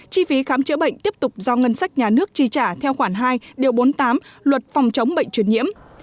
chi phí khám chữa bệnh tiếp tục do ngân sách nhà nước chi trả theo khoản hai điều bốn mươi tám luật phòng chống bệnh truyền nhiễm